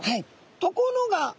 ところが！